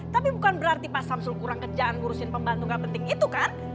tapi bukan berarti pak samsul kurang kerjaan ngurusin pembantu gak penting itu kan